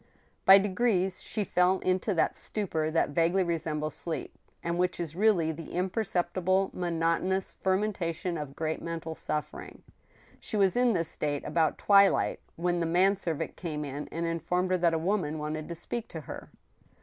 By degrees she fell into that stupor that vaguely resembles sleep, and which is really the imperceptible, monotonous fermentation of great mental suffering. She was in this state about twilight, when the man servant came in and informed her that a woman wanted to speak to her.